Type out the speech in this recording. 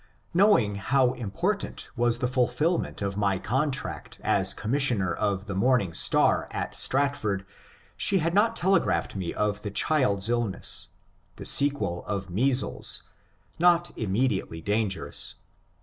Knowing how important was the fulfilment of my contract as commissioner of the ^' Morning Star" at Stratford, she had not telegraphed me of the child's illness, — the sequel A SON'S DEATH 11 of measles, — not immediately dangerous.